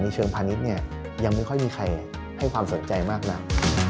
เชิงพาณิชย์เนี่ยยังไม่ค่อยมีใครให้ความสนใจมากนัก